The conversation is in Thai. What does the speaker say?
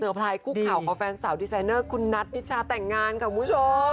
พลายคุกเข่ากับแฟนสาวดีไซเนอร์คุณนัทนิชาแต่งงานค่ะคุณผู้ชม